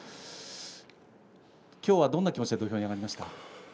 今日はどんな気持ちで土俵に上がりましたか？